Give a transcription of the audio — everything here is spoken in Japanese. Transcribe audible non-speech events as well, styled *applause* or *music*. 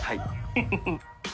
フフフ *laughs*